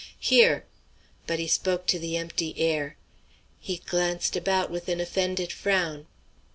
"Here!" But he spoke to the empty air. He glanced about with an offended frown.